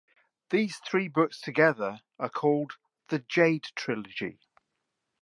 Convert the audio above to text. These three books together are called "The Jade Trilogy".